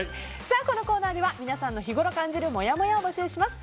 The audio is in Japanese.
このコーナーでは皆さんの日ごろ感じるもやもやを募集します。